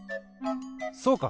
そうか！